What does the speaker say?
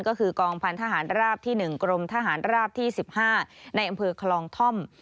ก็คือกองพันธหารราบที่๑กรมทหารราบที่๑๕ในอำเภอคลองท่อม